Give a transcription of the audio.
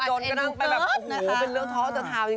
จนก็นั่งไปแบบโอ้โหเป็นเรื่องท้อสเตอร์ทาวน์